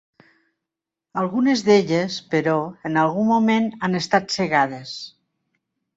Algunes d'elles, però, en algun moment han estat cegades.